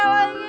parah kuku gue